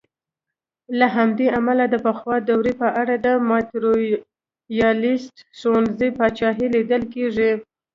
له همدې امله د پخوا دورې په اړه د ماتریالیسټ ښوونځي پاچاهي لیدل کېږي.